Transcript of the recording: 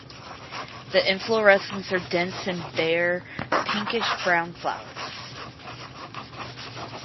The inflorescences are dense and bear pinkish brown flowers.